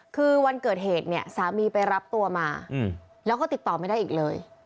คือวันเกิดเหตุเนี่ยสามีไปรับตัวมาแล้วก็ติดต่อไม่ได้อีกเลย